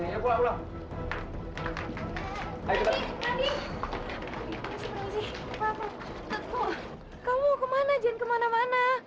lo mau ke mana jangan ke mana mana